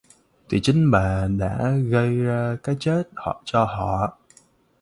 Thì chính bà đã gây ra cái chết cho họ